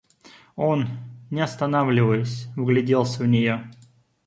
Он, не останавливаясь, вгляделся в нее.